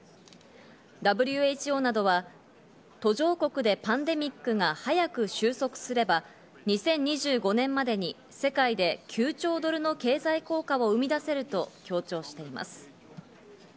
ＷＨＯなどは途上国でパンデミックが早く終息すれば２０２５年までに世界で９兆ドルの経済効果を生み出せると強調しています。